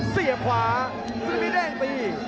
เสียบขวาสุนิมิดแดงตี